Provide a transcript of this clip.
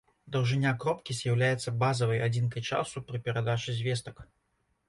Даўжыня кропкі з'яўляецца базавай адзінкай часу пры перадачы звестак.